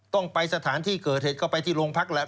ต้องไปสถานที่เกิดเหตุก็ไปที่โรงพักแหละ